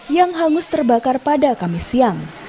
yang hangus terbakar pada kamis siang